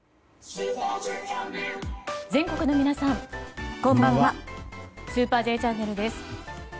全国の皆さん、こんばんは「スーパーＪチャンネル」です。